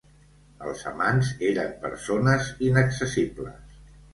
Els amants eren persones inaccessibles.